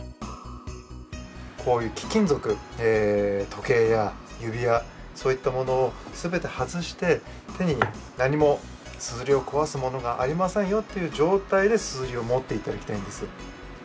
こういう貴金属時計や指輪そういったものをすべて外して手に何も硯を壊すものがありませんよっていう状態で硯を持って頂きたいんです。